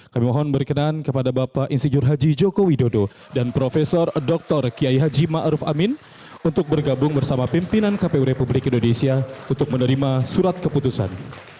kami mohon berkenan kepada bapak insinyur haji joko widodo dan prof dr kiai haji ⁇ maruf ⁇ amin untuk bergabung bersama pimpinan kpu republik indonesia untuk menerima surat keputusan